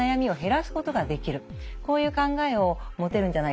こういう考えを持てるんじゃないかなと思ってます。